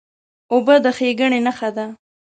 اوبه د ښېګڼې نښه ده.